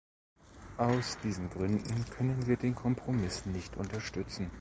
Aus diesen Gründen können wir den Kompromiss nicht unterstützen.